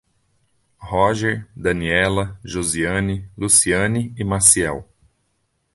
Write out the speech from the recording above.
Róger, Daniela, Josiane, Luciane e Maciel